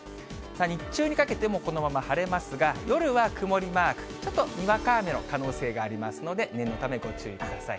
日中にかけてもこのまま晴れますが、夜は曇りマーク、ちょっとにわか雨の可能性がありますので、念のため、ご注意ください。